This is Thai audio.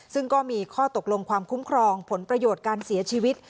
ซึ่งก็มีข้อตกลงความคุ้มครองผลประโยชน์การเสียชีวิต